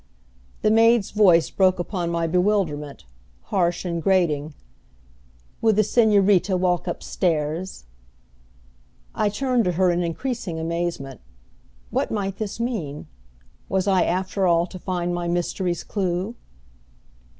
The maid's voice broke upon my bewilderment, harsh and grating. "Will the Señorita walk up stairs?" I turned to her in increasing amazement. What might this mean? Was I after all to find my mystery's clew?